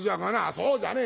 そうじゃねえ